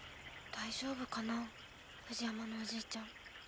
大丈夫かなフジヤマのおじーちゃん。